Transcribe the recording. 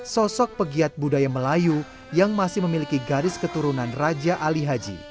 sosok pegiat budaya melayu yang masih memiliki garis keturunan raja ali haji